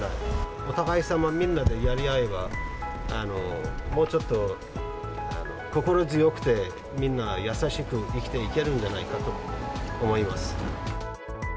お互いさま、みんなでやり合えば、もうちょっと心強くて、みんな、優しく生きていけるんじゃないかと思います。